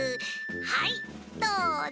はいどうぞ。